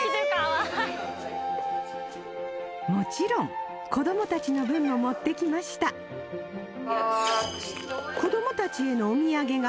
もちろん子どもたちの分も持ってきましたが